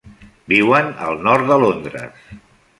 Viuen al nord de Londres.